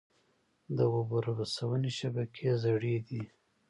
د اوبو رسونې شبکې زړې دي؟